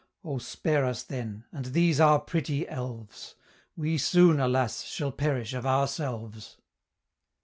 O spare us then, and these our pretty elves, We soon, alas! shall perish of ourselves!"